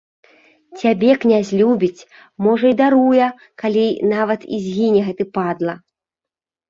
Цябе князь любіць, можа, і даруе, калі нават і згіне гэты падла.